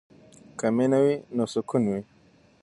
که مینه وي نو سکون وي.